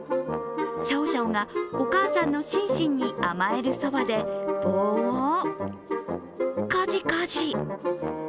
シャオシャオがお母さんのシンシンに甘えるそばで棒をカジカジ。